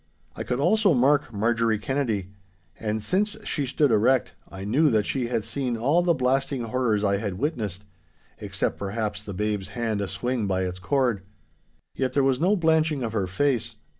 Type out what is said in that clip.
I could also mark Marjorie Kennedy. And since she stood erect, I knew that she had seen all the blasting horrors I had witnessed—except, perhaps, the babe's hand a swing by its cord. Yet there was no blanching of her face.